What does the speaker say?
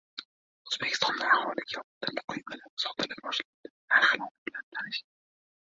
O‘zbekistonda aholiga oltin quymalar sotila boshlandi. Narxlari bilan tanishing!